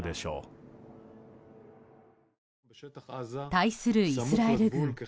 対するイスラエル軍。